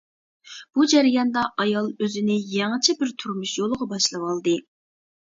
بۇ جەرياندا ئايال ئۆزىنى يېڭىچە بىر تۇرمۇش يولىغا باشلىۋالدى.